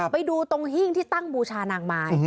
ไปดูตรงหิ้งที่ตั้งบูชานางไม้